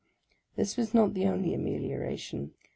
This was not the only amelioration.